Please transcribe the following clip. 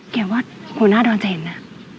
แกว่าหุนาดรจะเห็นนะ